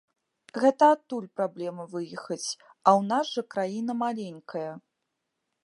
Гэта адтуль праблема выехаць, а ў нас жа краіна маленькая.